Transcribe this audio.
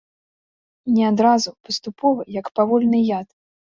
Не адразу, паступова, як павольны яд.